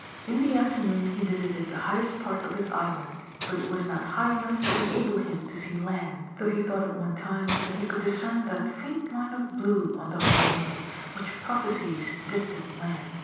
In the afternoon he visited the highest part of his island ; but it was not high enough to enable him to see land, though he thought at one time that he could discern that faint line of blue on the horizon which prophesies distant land.